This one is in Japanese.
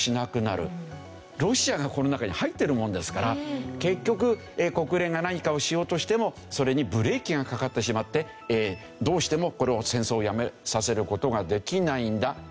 ロシアがこの中に入ってるものですから結局国連が何かをしようとしてもそれにブレーキがかかってしまってどうしてもこれを戦争をやめさせる事ができないんだという事ですね。